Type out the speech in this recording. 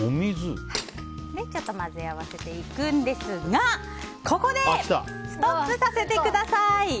ちょっと混ぜ合わせていくんですがここでストップさせてください。